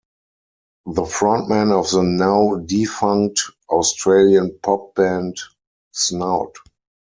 The frontman of the now-defunct Australian pop band Snout.